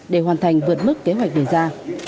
để hoàn thành vượt mức kế hoạch đề ra